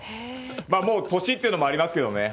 もう年っていうのもありますけどね。